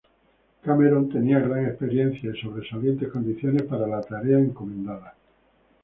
Cameron tenía gran experiencia y sobresalientes condiciones para la tarea encomendada.